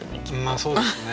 まあそうですね。